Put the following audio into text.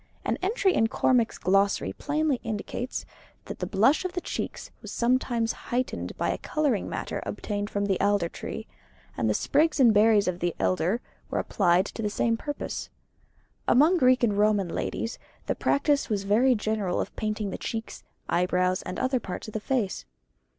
An entry in Cormac's Glossary plainly indicates that the blush of the cheeks was sometimes heightened by a colouring matter obtained from the alder tree: and the sprigs and berries of the elder were applied to the same purpose. Among Greek and Roman ladies the practice was very general of painting the cheeks, eyebrows, and other parts of the face.